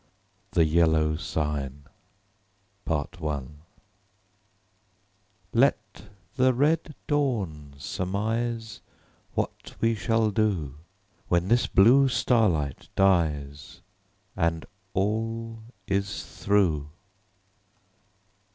THE YELLOW SIGN "Let the red dawn surmise What we shall do, When this blue starlight dies And all is through."